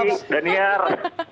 halo budi daniar